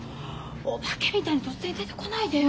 お化けみたいに突然出てこないでよ。